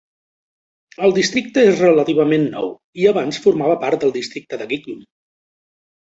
El districte és relativament nou, i abans formava part del districte de Kitgum.